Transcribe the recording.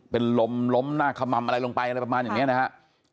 เป็นลมล้มหน้าขมัมอะไรลงไปอะไรประมาณอย่างนี้นะครับ